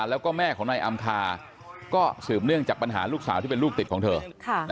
แล้วก็แม่ของนายอำคาก็สืบเนื่องจากปัญหาลูกสาวที่เป็นลูกติดของเธอ